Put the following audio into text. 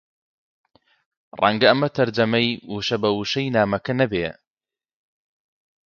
ڕەنگە ئەمە تەرجەمەی وشە بە وشەی نامەکە نەبێ